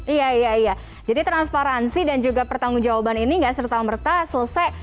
iya iya jadi transparansi dan juga pertanggung jawaban ini gak serta merta selesai